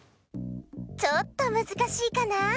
ちょっとむずかしいかな？